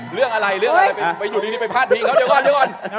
เรื่องอะไรเรื่องอะไรไปอยู่ดีไปพาดพิงเขาเดี๋ยวก่อนเดี๋ยวก่อน